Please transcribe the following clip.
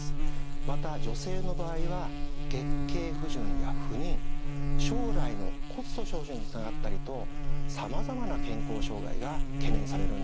また女性の場合は月経不順や不妊将来の骨粗しょう症につながったりとさまざまな健康障害が懸念されるんです。